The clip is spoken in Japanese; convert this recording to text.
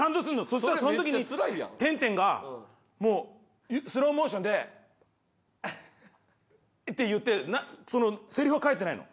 そしたらその時にテンテンがもうスローモーションで。って言ってそのせりふは書いてないの。